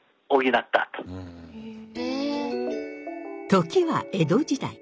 時は江戸時代。